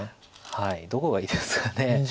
どこがいいですかね。